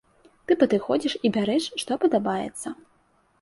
Ты падыходзіш і бярэш што падабаецца.